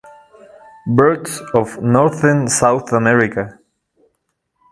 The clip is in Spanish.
Birds of Northern South America.